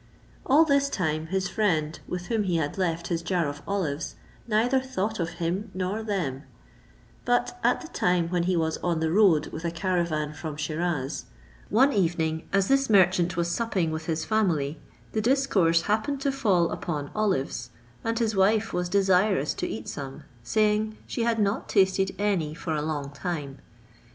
All this time his friend, with whom he had left his jar of olives, neither thought of him nor them; but at the time when he was on the road with a caravan from Sheerauz, one evening as this merchant was supping with his family, the discourse happened to fall upon olives, and his wife was desirous to eat some, saying, she had not tasted any for a long while.